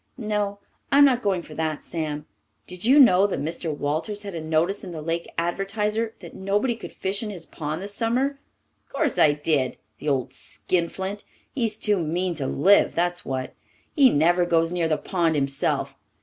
"No, I'm not going for that. Sam, did you know that Mr. Walters had a notice in the Lake Advertiser that nobody could fish in his pond this summer?" "Course I did the old skinflint! He's too mean to live, that's what. He never goes near the pond himself.